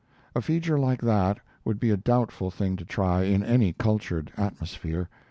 A feature like that would be a doubtful thing to try in any cultured atmosphere.